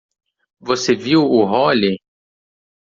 Você viu o Hollie?